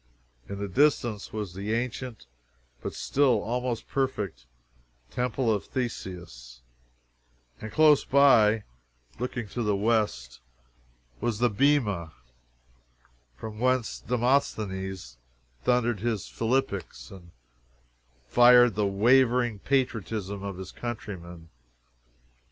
In the distance was the ancient, but still almost perfect Temple of Theseus, and close by, looking to the west, was the Bema, from whence Demosthenes thundered his philippics and fired the wavering patriotism of his countrymen.